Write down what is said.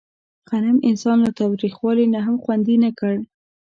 غنم انسان له تاوتریخوالي نه هم خوندي نه کړ.